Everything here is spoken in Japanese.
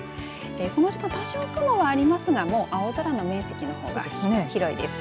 この時間多少雲はありますがもう青空の面積の方が広いです。